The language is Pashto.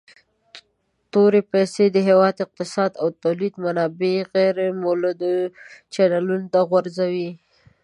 تورې پیسي د هیواد اقتصادي او تولیدي منابع غیر مولدو چینلونو ته غورځوي.